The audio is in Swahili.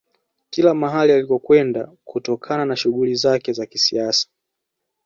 Kila mahali alikokwenda kutokana na shughuli zake za kisiasa